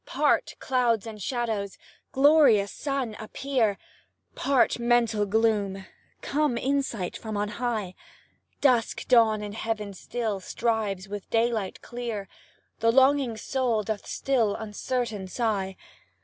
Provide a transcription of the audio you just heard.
Part, clouds and shadows! Glorious Sun appear! Part, mental gloom! Come insight from on high! Dusk dawn in heaven still strives with daylight clear The longing soul doth still uncertain sigh.